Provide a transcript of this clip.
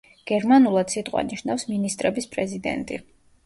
გერმანულად სიტყვა ნიშნავს „მინისტრების პრეზიდენტი“.